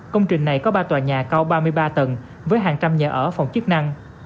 công trình này có ba tòa nhà cao ba mươi ba tầng với hàng trăm nhà ở phòng chức năng